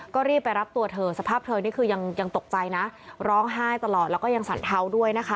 ก็รีบไปรับตัวเธอสภาพเธอนี่คือยังตกใจนะร้องไห้ตลอดแล้วก็ยังสันเทาด้วยนะคะ